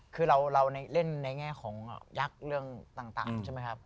คือเราเล่นในแง่ของยักษ์เรื่องต่างใช่ไหมครับ